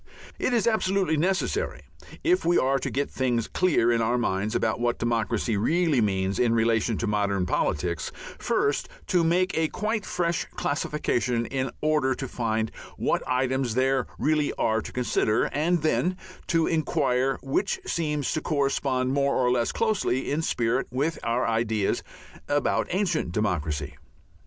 It is absolutely necessary, if we are to get things clear in our minds about what democracy really means in relation to modern politics, first to make a quite fresh classification in order to find what items there really are to consider, and then to inquire which seem to correspond more or less closely in spirit with our ideas about ancient democracy.